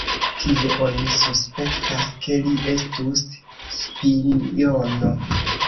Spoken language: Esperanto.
Tie oni suspektas, ke li estus spiono.